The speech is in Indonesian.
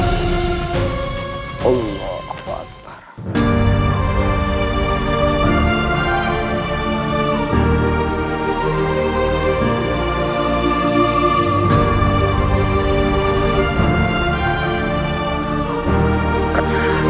tidak ada yang bisa membantu